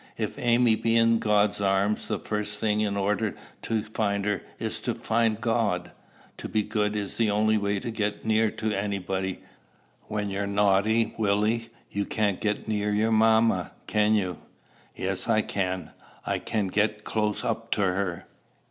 If Amy be in God's arms, the first thing, in order to find her, is to find God. To be good is the only way to get near to anybody. When you're naughty, Willie, you can't get near your mamma, can you?" "Yes, I can. I can get close up to her."